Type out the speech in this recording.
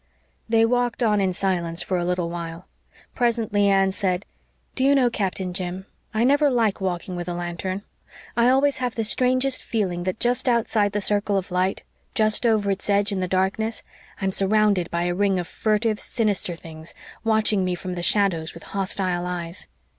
They walked on in silence for a little while. Presently Anne said, "Do you know, Captain Jim, I never like walking with a lantern. I have always the strangest feeling that just outside the circle of light, just over its edge in the darkness, I am surrounded by a ring of furtive, sinister things, watching me from the shadows with hostile eyes.